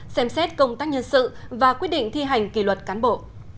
xem xét công tác nhân sự và quyết định thi hành kỷ luật cán bộ